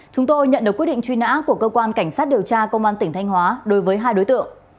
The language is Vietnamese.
chúng tôi nhận được quyết định truy nã của cơ quan cảnh sát điều tra công an tỉnh thanh hóa đối với hai đối tượng